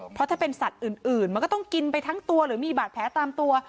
เพราะถ้าเป็นสัตว์อื่นมันก็ต้องกินไปทั้งตัวหรือมีบาดแผลตามตัว